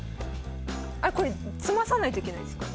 これ詰まさないといけないですよ。